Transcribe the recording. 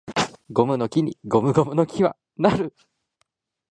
ゴムの木にゴムゴムの木は成る